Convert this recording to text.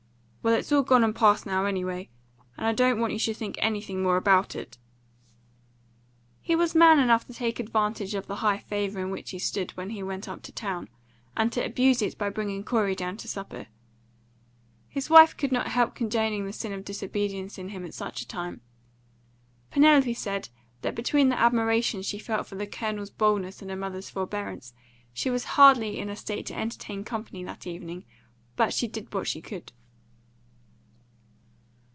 "Well, it's all past and gone now, anyway; and I don't want you should think anything more about it." He was man enough to take advantage of the high favour in which he stood when he went up to town, and to abuse it by bringing Corey down to supper. His wife could not help condoning the sin of disobedience in him at such a time. Penelope said that between the admiration she felt for the Colonel's boldness and her mother's forbearance, she was hardly in a state to entertain company that evening; but she did what she could.